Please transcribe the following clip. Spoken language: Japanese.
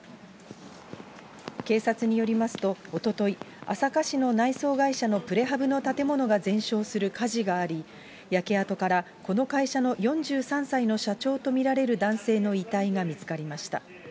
警察によりますと、おととい、朝霞市の内装会社のプレハブの建物が全焼する火事があり、焼け跡からこの会社の４３歳の社長と見られる男性の遺体が見つかりました。